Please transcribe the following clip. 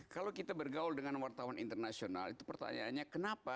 kalau kita bergaul dengan wartawan internasional itu pertanyaannya kenapa